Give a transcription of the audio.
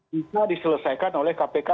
bisa diselesaikan oleh kpk